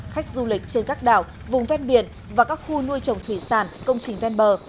khách du lịch trên các đảo vùng ven biển và các khu nuôi trồng thủy sản công trình ven bờ